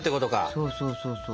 そうそうそうそう。